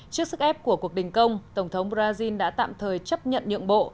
trước sức ép của cuộc đình công tổng thống brazil đã tạm thời chấp nhận nhượng bộ